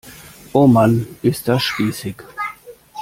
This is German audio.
Oh Mann, ist das spießig!